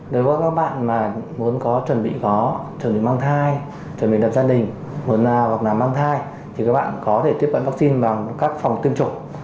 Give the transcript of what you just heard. đối với các bạn mà muốn có chuẩn bị gói chuẩn bị mang thai chuẩn bị đập gia đình muốn nào hoặc nào mang thai thì các bạn có thể tiếp cận vaccine bằng các phòng tiêm chủng